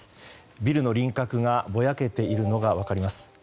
ビルの輪郭がぼやけているのが分かります。